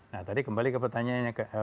nah tadi kembali ke pertanyaannya